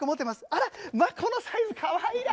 あらこのサイズかわいらしい！